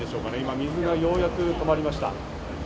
水がようやく止まりました。